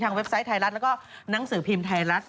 เว็บไซต์ไทยรัฐแล้วก็หนังสือพิมพ์ไทยรัฐ